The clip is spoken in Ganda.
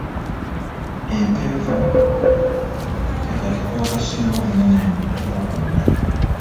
Empeefu kekatiko akasinga obunene mu butiko bwonna.